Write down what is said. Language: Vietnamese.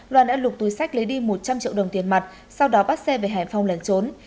loan đã lục túi sách lấy đi một trăm linh triệu đồng tiền mặt sau đó bắt xe về hải phong lẩn trốn